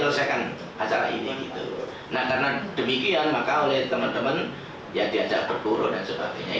nah karena demikian maka oleh teman teman ya diajak berburu dan sebagainya